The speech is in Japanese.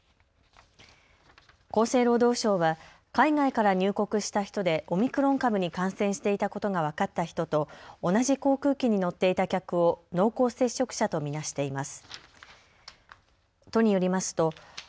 厚生労働省は海外から入国した人でオミクロン株に感染していたことが分かった人と同じ航空機に乗っていた客を濃厚接触者と見なしています。